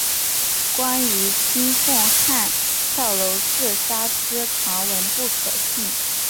关于金凤汉跳楼自杀之传闻不可信。